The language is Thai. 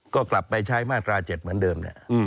ก็กลับไปใช้มาตรา๗เหมือนเดิม